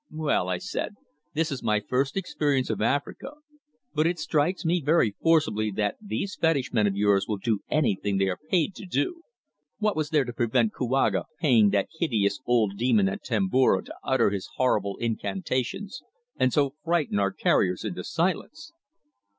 "Well," I said, "this is my first experience of Africa, but it strikes me very forcibly that these fetish men of yours will do anything they are paid to do. What was there to prevent Kouaga paying that hideous old demon at Tomboura to utter his horrible incantations and so frighten our carriers into silence?"